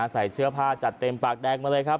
ใส่เสื้อผ้าจัดเต็มปากแดงมาเลยครับ